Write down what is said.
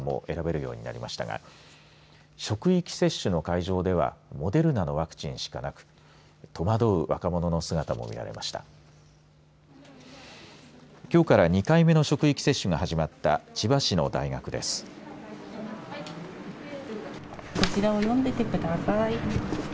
きょうから２回目の職域接種が始まった千葉市の大学です。